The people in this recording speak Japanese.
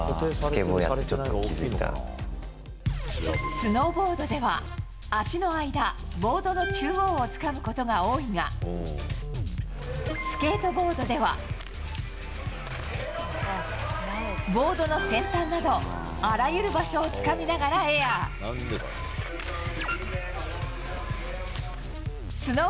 スノーボードでは足の間、ボードの中央をつかむことが多いがスケートボードではボードの先端などあらゆる場所をつかみながらエアー。